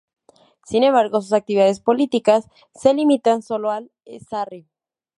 Sin embargo, sus actividades políticas se limitan solo al Sarre.